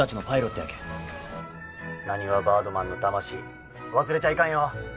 なにわバードマンの魂忘れちゃいかんよ！